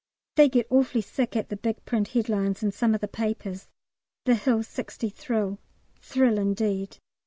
They get awfully sick at the big print headlines in some of the papers "The Hill 60 Thrill"! "Thrill, indeed!